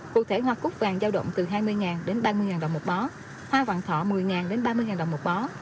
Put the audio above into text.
cụ thể hoa cút vàng giao động từ hai mươi đến ba mươi đồng một bó hoa vàng thọ một mươi đến ba mươi đồng một bó